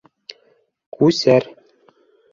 — Күсәр!